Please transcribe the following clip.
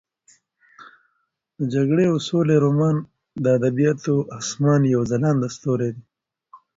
د جګړې او سولې رومان د ادبیاتو د اسمان یو ځلانده ستوری دی.